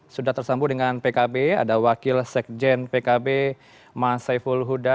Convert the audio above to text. sudah tersambung dengan pkb ada wakil sekjen pkb mas saiful huda